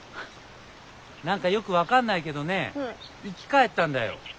何かよく分かんないけどねぇ生き返ったんだよ！